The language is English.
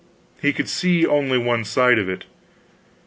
He could see only one side of it.